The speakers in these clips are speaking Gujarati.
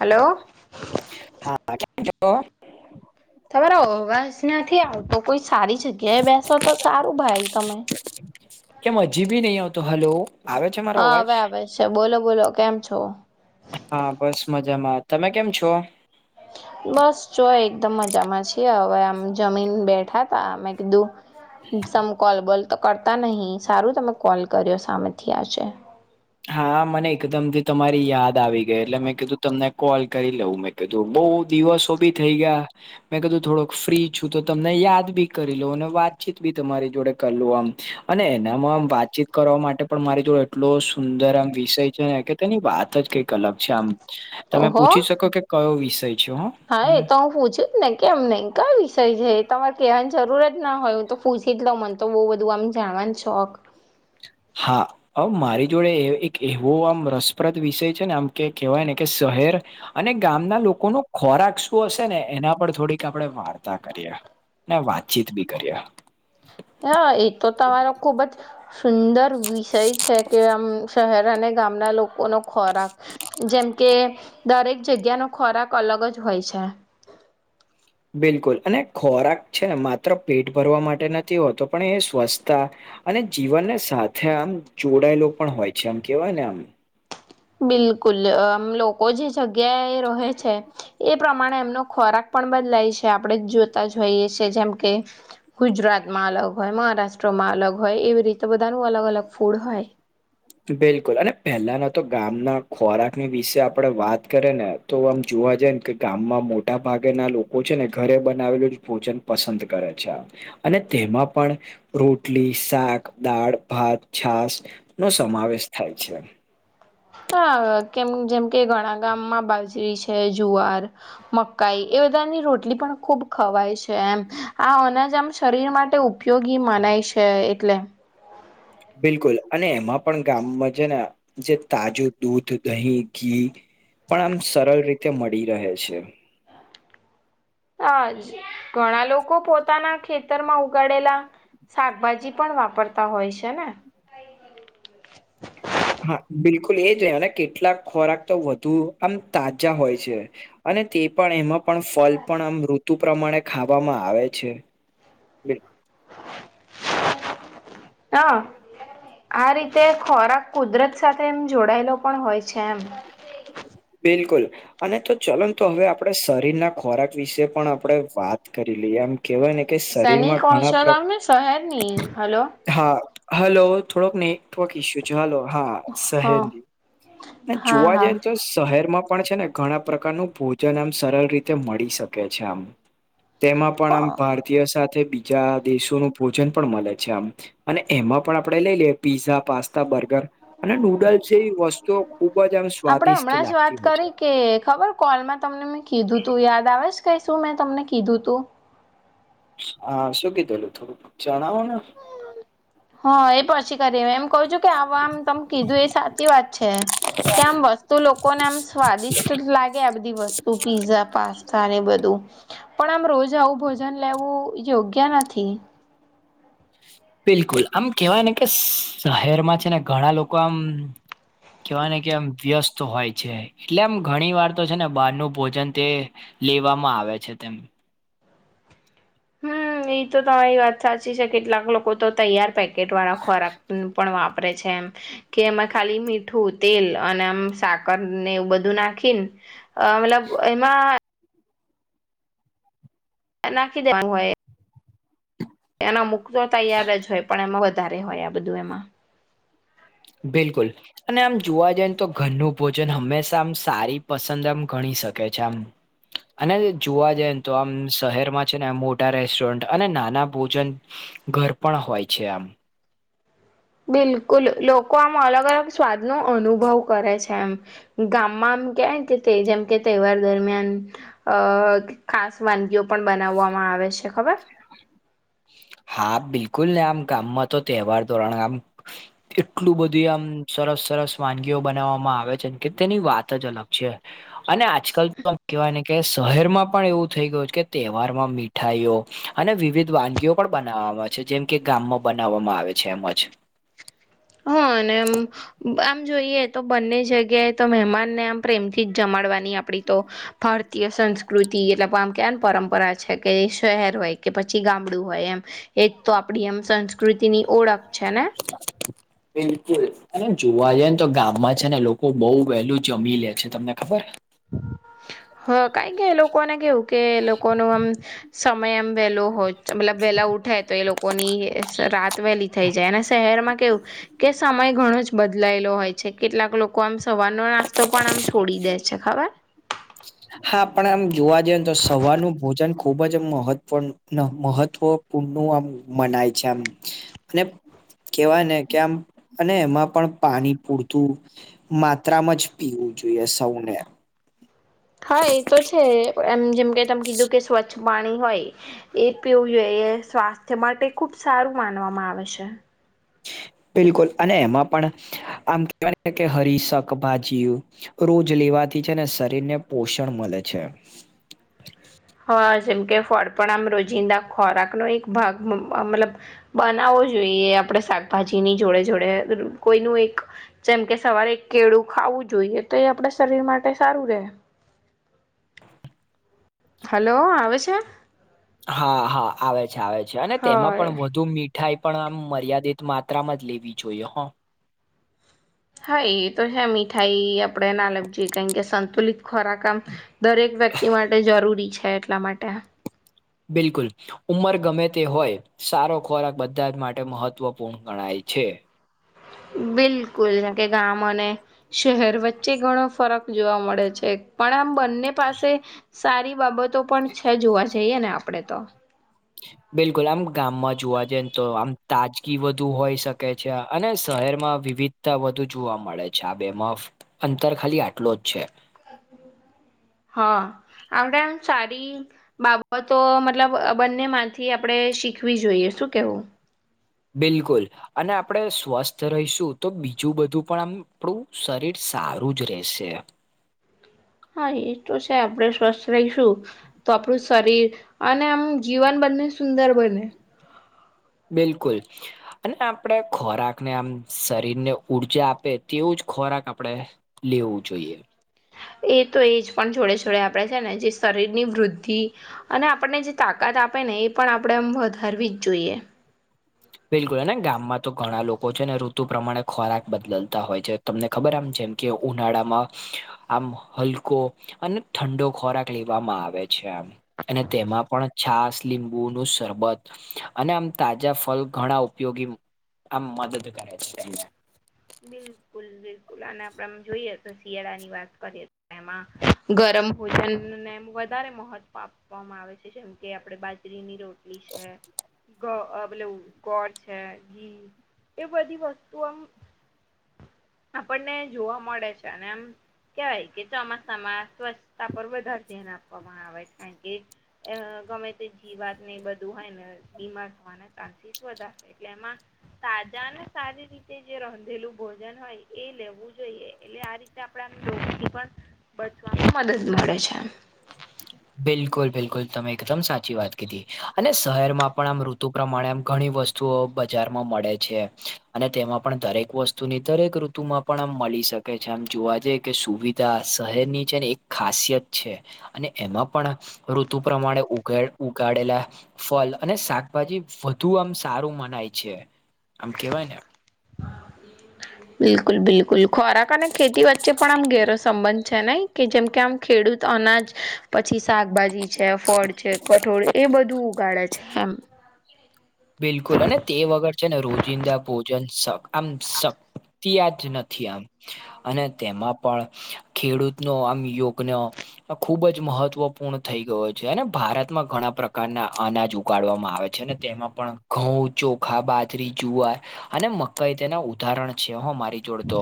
હલો. [unintelligible] તમારો અવાજ નથી આવતો. કોઈ સારી જગ્યાએ બેસો, તો સારું ભાઈ તમે? કેમ હજીબી નહી આવતો? હલો. આવે છે મારો હા. અવાજ હવે, આવે છે. બોલો-બોલો, કેમ છો? હા, બસ મજામાં. તમે કેમ છો? બસ. જો એકદમ મજામાં છીએ. હવે, આમ જમીને બેઠાતા અમે કીધું. સમ કોલ-બોલ તો કરતા નહી. સારું તમે કોલ કર્યો સામેથી આજે હા, મને એકદમથી તમારી યાદ આવી ગઈ. એટલે મેં કીધું તમને કોલ કરી લઉં મેં. કીધું બહુ દિવસો બી થઇ ગયા. મેં કીધું. થોડોક ફ્રી છું, તો તમને યાદ બી કરી લઉં અને વાત-ચીત બી તમારી જોડે કરી લો. આમ અને એનામાં વાત-ચીત કરવા માટે પણ મારી જોડે એટલો સુંદર આમ વિષય છે ને, કે તેની વાત જ કંઈક અલગ છે. આમ તમે ઓહો પૂછી શકો કે કયો વિષય છે? હા, મને એ તો હું પૂછીશ? ને કેમ નહી કઈ વિષય છે. તમારે કેવાની જરૂરતના હોય. હું તો પૂસી લઉં મન તો બહુ બધું આમ જાણવાનું શોખ હા. હ. મારી જોડે એક એવો આમ, રસપ્રદ વિષય છે ને, આમ કે કેહેવાયને કે શહેર અને ગામના લોકોનું ખોરાક શું હશે ને એના પર થોડીક આપણે વાર્તા કરીએ ને વાત-ચીત બી કરીએ. હા, એ તો તમારો ખુબ જ સુંદર વિષય છે કે આમ શહેર અને... ગામના લોકોનો ખોરાક જેમ કે દરેક જગ્યાનો ખોરાક અલગ જ હોય છે. બિલકુલ અને ખોરાક છેને માત્ર પેટ ભરવા માટે નથી હોતો પણ એ સ્વસ્થા. અને જીવનને સાથે આમ જોડાયેલો પણ હોય છે આમ કેવાય ને આમ. બિલકુલ અ લોકો જે જગ્યા એ રહે છે. એ પ્રમાણે એમનો ખોરાક પણ બદલાય છે. આપણે જોતા જોઈએ છે જેમ કે... ગુજરાતમાં અલગ હોય, મહારાષ્ટ્રમાં અલગ હોય, એવી રીતે બધાનું અલગ-અલગ ફૂડ હોય. બિલકુલ અને પહેલાના તો ગામના ખોરાકની વિશે આપડે વાત કરીએ ને તો જોવા જાય ને કે ગામમાં મોટા ભાગે ના લોકો છે ઘરે બનાવેલું જ ભોજન પસંદ કરે છે. અને તેમાં પણ રોટલી, શાક, દાળ-ભાત, છાસ નો સમાવેશ થાય છે. હા, કેમ-જેમ કે ઘણા ગામમાં બાજરી છે જુવાર, મકાઈ એ બધાની રોટલી પણ ખુબ ખવાય છે એમ આ અનાજ આમ શરીર માટે ઉપયોગી મનાય છે એટલે બિલકુલ અને એમાં પણ ગામમાં છે ને જે તાજુ દૂધ, દહીં, ઘી પણ આમ સરળ રીતે મળી રહે છે. હ ઘણા લોકો પોતાના ખેતરમાં ઉગાડેલા શાકભાજી પણ વાપરતા હોય છે ને હા, બિલકુલ એ જ ને કેટલાક ખોરાક તો વધુ આમ તાજા હોય છે. અને તે પણ એમાં પણ ફલ પણ આમ ઋતુ પ્રમાણે ખાવામાં આવે છે. બિલ- હ આ રીતે ખોરાક કુદરત સાથે એમ જોડાયેલો પણ હોય છે એમ, બિલકુલ અને તો ચલન તો હવે આપડણે શરીરના ખોરાક વિશે પણ આપણે વાત કરી લઈએ એમ. કહેવાય ને કે સૈનિક શરીરમાં ઘણા હોસ્ટેલ આમ ને શહેરની હલો હા હલો થોડોક ને ટવર્ક ઇસ્યૂ છે હલો હા હા શહેરની હા જોવા જાય તો શહેરમાં પણ છે ને ઘણા પ્રકારનું ભોજન આમ સરળ રીતે મળી શકે છે આમ. તેમાં પણ આમ હા ભારતીય સાથે બીજા દેશોનું ભોજન પણ મળે છે આમ. અને એમાં પણ આપડે લઈ લઈએ પીઝા પાસ્તા બર્ગર અને નૂડલ્ જેવી વસ્તુઓ ખુબ જ આપડે સ્વાદિષ્ટ હમણાં વાત લાગતી હોય છે કરી કે કે ખબર કોલમાં તમને મેં કીધું તું યાદ આવે છે ક શું મેં તમને કીધું તું હા શું કીધુંલું થોડું જણાવો ને. હા એ પછી કરી એમ કઉ છું કે આ આમ તમ કીધું એ સાચી વાત છે. કે આમ વસ્તુ લોકોને આમ સ્વાદિષ્ટ લાગે આ બધી વસ્તુ પીઝા પાસ્તા ને બધું પણ આમ રોજ આવું ભોજન લેવું યોગ્ય નથી. બિલકુલ આમ કેવાય ને કે શહેરમાં છે ને ઘણા લોકો આમ કેવા ને કે એમ વ્યસ્ત હોય છે એટલે આમ ઘણી વાર તો છે ને બહાર ન ભોજન તે લેવામાં આવે છે તેમ. હમ એ તો તમારી વાત સાચી છે કેટલાક લોકો તો તૈયાર પેકેટ વાળા ખોરાક પણ વાપરે છે એમ. કે એમાં ખાલી મીઠું તેલ અને આમ સાકર ને એવું બધું નાખીન અ મતલબ એમાં નાખી દેવાનું હોય. એને અમુક તો તૈયાર જ હોય પણ એમાં વધારે હોય આ બધું એમાં બિલકુલ અને આમ જોવા જાય ન તો ઘરનું ભોજન હંમેશા આમ સારી પસંદ આમ ગણી શકે છે આમ. અને જોવા જયે ન તો આમ શહેરમાં છેને આમ મોટા રેસ્ટોરન્ટ અને નાના ભોજન ઘર પણ હોય છે આમ બિલકુલ લોકો આમ અલગ-અલગ સ્વાદનો અનુભવ કરે છે એમ. ગામમાં આમ કેવાય ન કે તે જેમ કે તહેવાર દરમિયાન અ ખાસ વાનગીઓ પણ બનાવવામાં આવે છે ખબર? હા બિલકુલને આમ ગામમાં તો તહેવાર ધોરણ આમ એટલું બધી આમ સરસ-સરસ વાનગીઓ બનાવવામાં આવે છે કે તેની વાત જ અલગ છે. અને આજકાલ તો કેવાયને કે શહેરમાં પણ એવું થઈ ગયું છ કે તહેવારમાં મી મીઠાઈઓ અને વિવિધ વાનગીઓ પણ બનાવામાં છે જેમ કે ગામમાં બનાવામાં આવે છે એમજ. હા અને એમ આમ જોઈએ તો બંને જગ્યાએ તો મહેમાનને આમ પ્રેમથી જ જમાડવાની આપડી તો ભારતીય સંસ્કૃતિ એટલે આમ કેવાય ન પરંપરા છે કે શેહેર હોય કે પછી ગામડું હોય એમ એતતો આપડી એમ સંસ્કૃતિની ઓળખ છે ને. બિલકુલ અને જોવા જયે ન તો ગામમાં છે ને લોકો બઉ વહેલું જમી લે છે તમને ખબર? હ કારણ કે લોકોને કેવું કે લોકોનું આમ સમય એમ વહેલો હોય. મતલબ વહેલાં ઉઠાય તો એ લોકોની રાત વહેલી થઈ જાય અને શહેરમાં કેવું કે સમય ઘણો જ બદલાયેલો હોય છે કેટલાક લોકો આમ સવારનો નાસ્તો પણ આમ છોડી દે છે, ખબર? હા પણ આમ જોવા જઈએ ન તો સવારનું ભોજન ખૂબ જ મહત્વ મહત્વ નું આમ મનાય છે આમ અને કેવાય ને કે આમ અને એમાં પણ પાણી પૂરતું માત્રામાં જ પીવું જોઈએ. સૌને હા એ તો છે. એમ જેમ કે તમ કીધું કે સ્વચ્છ પાણી હોય એ પીવું જોઈએ. એ સ્વાસ્થ્ય માટે ખુબ સારું માનવામાં આવે છે. બિલકુલ અને એમાં પણ આમ કેવાય ન કે હરી શકભાજીઓ રોજ લેવાથી છેને શરીરને પોષણ મળે છે. હ જેમકે ફળ પણ આમ રોજિંદા ખોરાકનો એક ભાગ મતલબ બનાવો જોઈએ. આપડે શાકભાજીની જોડે-જોડે કોઈનું એક જેમ કે સવારે એક કેળું ખાવું જોઈએ. તો એ આપડા શરીર માટે સારું રહે. હલો આવે છે? હા હા આવે છે, આવે છે. અને તેમાં પણ હા. વધુ મીઠ ઠાઈ પણ આમ મર્યાદિત માત્રામાં જ લેવી જોઈએ હો હા એતો હે મીઠાઈ આપડેના કારણ કે સંતુલિત ખોરાક આમ દરેક વ્યક્તિ માટે જરૂરી છે. એટલા માટે બિલકુલ ઉંમર ગમે તે હોય સારો ખોરાક બધા જ માટે મહત્વપૂર્ણ ગણાય છે. બિલકુલ, જેમ કે ગામ અને શેહેર વચ્ચે ઘણો ફરક જોવા મળે છે. પણ આમ બંને પાસે સારી બાબતો પણ છે. જોવા જઈએ ને આપડે તો બિલકુલ આમ ગામમાં જોવા જયે ન તો આમ તાજગી વધુ હોય શકે છે. અને શહેરમાં વિવિધતા વધુ જોવા મળે છે. આ બેમાં- અંતર ખાલી આટલો જ છે. [inaudible] હા આપડે આમ સારી બાબતો મતલબ બંને [unintelligible] થી આપડે શીખવી જોઈએ શું કેહવું બિલકુલ અને આપણે સ્વસ્થ રહીશું તો બીજું બધું પણ આમ આપણું શરીર સારું જ રહેશે. હા એ તો છે. આપણે સ્વસ્થ રહીશું તો આપણું શરીર અને આમ જીવન બંને સુંદર બને બિલકુલ અને આપણે ખોરાકને આમ શરીરને ઊર્જા આપે તેવું જ ખોરાક આપડે લેવું જોઈએ. એ તો એ જ પણ જોડે જોડે આપણે છે. ને જે શરીરની વૃદ્ધિ અને આપણને જે તાકાત આપે ને એ પણ આપણે આમ વધારવી જ જોઈએ. બિલકુલ અને ગામમાં તો ઘણા લોકો છે. ને ઋતુ પ્રમાણે ખોરાક બદલતા હોય છે. તમને ખબર આમ જેમ કે ઉનાળામાં આમ હલકો અને ઠંડો ખોરાક લેવામાં આવે છે. આમ અને તેમાં પણ છાસ લીંબુનું સરબત અને આમ તાજા ફલ ઘણા ઉપયોગી આમ મદદ કરે છે. બિલકુલ બિલકુલ આને આપડ જોઈએ તો શિયાળાની વાત કરીએ. એમાં ગરમ ભોજનને વધારે મહત્વ આપવામાં આવે છે. જેમ કે આપડે બાજરીની રોટલી છે. [unintelligible] પેલું ગોળ છે. ઘી એ બધી વસ્તુ આમ આપણને જોવા મળે છે. અને એમ કેવાય કે ચોમાસામાં સ્વચછતા પર વધારે ધ્યાન આપવામાં આવે કારણ કે એઅ ગમે તે જીવાત ને એ બધું હોય ને બીમાર થવાય. અને ચાન્સીસ શું હતા એટલે એમાં તાજા ને સારી રીતે જે રંધેલું ભોજન હોય એ લેવું જોઈએ એટલે આ રીતે આપડે આમ [inaudible] પણ બચવામાં મદદ મળે છે. બિલકુલ બિલકુલ તમે એકદમ સાચી વાત કીધી અને શહેરમાં પણ આમ ઋ તુ પ્રમાણે આમ ઘણી વસ્તુઓ બજારમાં મળે છે અને તેમાં પણ દરેક વસ્તુની દરેક ઋતુમાં પણ આમ મળી શકે છે આમ જોવા જઈ કે સુવિધા શહેરની છે ને એક ખાસિયત છે. અને એમાં પણ ઋતુ પ્રમાણે ઉગાય ઉગાડેલા ફલ અને શાકભાજી વધુ આમ સારું મનાય છે આમ કેવાય ને. બિલકુલ બિલકુલ ખોરાક અને ખેતી વચ્ચે પણ આમ ઘેરો સંબંધ છે નઈ? કે જેમ કે આમ ખેડૂત અનાજ પછી શાકભાજી છે, ફળ છે, કઠોળ એ બધું ઉગાડે છેમ બિલકુલ અને તે વગર છે ને રોજિંદા ભોજન શાખ આમ શક્તિ આજ જ નથી આમ. અને તેમાં પણ ખેડૂતનો આમ યોગનો ખુબ જ મહત્વપૂર્ણ થઈ ગયો છે અને ભારતમાં ઘણા પ્રકારના અનાજ ઉગાડવામાં આવે છે ને તેમાં પણ ઘઉં, ચોખા, બાજરી, જુવાર અને મકઈ તેના ઉદાહરણ છે હો મારી જોડે તો.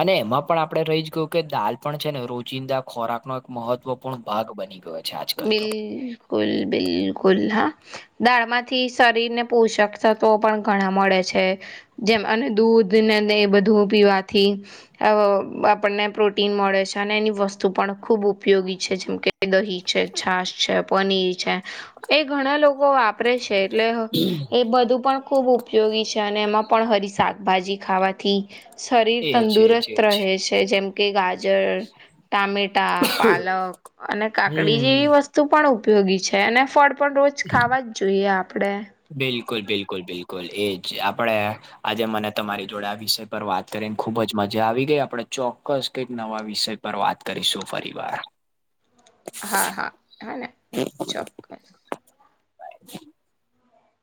અને એમાં પણ આપડે રહી જ ગયું કે દાળ પણ છે ને રોજિંદા ખોરાકનો એક મહત્વપૂર્ણ ભાગ બની ગયો. છે આજકાલ તો બિલકુલ બિલકુલ હા. દાળમાંથી શરીર ને પોષક તત્વો પણ ઘણા મળે છે. જેમ અને દૂધને દહીં એ બધું પીવાથી. આવ આપણને પ્રોટીન મળે છે અને એની વસ્તુ પણ ખૂબ ઉપયોગી છે જેમ કે દહીં છે છાસ છે પનીર છે એ ઘણા લોકો વા પરે છે એટલે હ એ બધું પણ ખુબ ઉ પયોગી છે અને એમાં પણ હરી શાકભાજી ખાવાથી શરીર એજ એજ તંદુરસ્ત એજ રહે છે. જેમ કે ગાજર, ટામેટા, પાલક અને કા હમ વસ્તુ ઉપયોગી છે અને ફળ પણ રોજ ખાવા જ જોઈએ આપણે. બિલકુલ, બિલકુલ, બિલકુલ એ જ આપણે આજે મને તમારી જોડે આ વિષય પર વાત કરીને ખૂબ જ મજા આવી ગઈ. આપણે ચોક્કસ કંઈક નવા વિષય પર વાત કરીશું ફરી વાર. હા, હા, હ ને ચોક્કસ. બાય.